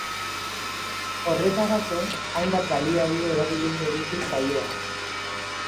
Horretarako, hainbat baliabide erabiliko ditu saioak.